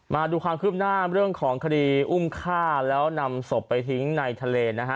มาดูความคืบหน้าเรื่องของคดีอุ้มฆ่าแล้วนำศพไปทิ้งในทะเลนะฮะ